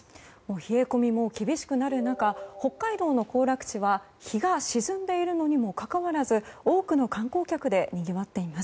冷え込みも厳しくなる中北海道の行楽地は日が沈んでいるのにもかかわらず多くの観光客でにぎわっています。